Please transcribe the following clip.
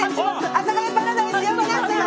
「阿佐ヶ谷パラダイス」よ皆さん。